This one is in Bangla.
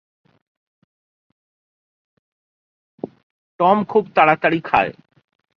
টম খুব তারাতারি খায়।